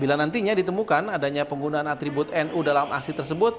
artinya ditemukan adanya penggunaan atribut nu dalam aksi tersebut